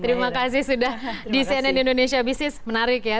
terima kasih sudah di cnn indonesia business menarik ya